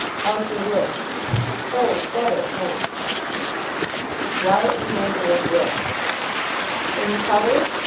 How's your wrist?" "Oh, better, thanks." Wyatt began to undress. "Any colours?"